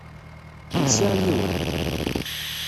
Lsiɣ yiwen.